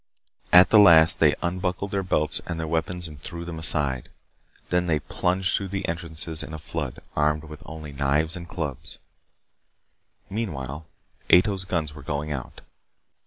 At the last they unbuckled their belts and their weapons and threw them aside. Then they plunged through the entrances in a flood, armed with only knives and clubs. Meanwhile, Ato's guns were going out.